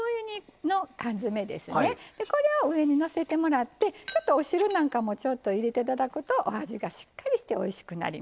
これを上にのせてもらってちょっとお汁なんかも入れていただくとお味がしっかりしておいしくなります。